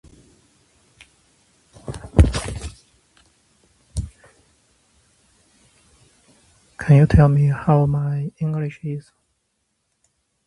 The old road now turns right and continues into Highfield Lane.